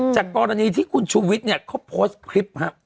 จากกรณีที่คุณชุวิตเนี่ยเขาโพสต์คลิปครับ